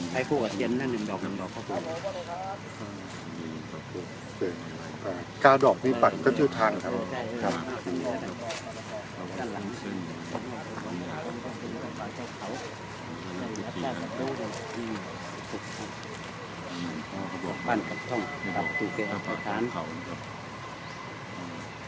พ่อเขาบอกพ่อเขาบอกขอให้ดูงานที่สุดที่ได้กลับกลับไปอยู่ชื่อชื่อสัญญาณที่เขาให้ดูงานที่สุดที่ได้กลับกลับไปอยู่